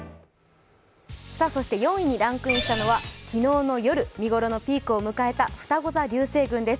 ４位にランクインしたのは昨日の夜、見頃のピークを迎えたふたご座流星群です。